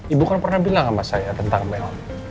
ibu kan pernah bilang sama saya tentang mel